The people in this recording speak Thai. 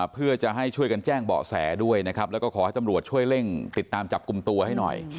เพื่อจะให้ช่วยกันแจ้งเบาะแสด้วยนะครับแล้วก็ขอให้ตำรวจช่วยเร่งติดตามจับกลุ่มตัวให้หน่อย